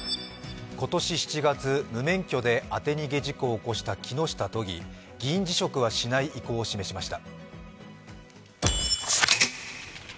今年７月、無免許で当て逃げ事故を起こした木下都議、議員辞職はしない意向を示しました。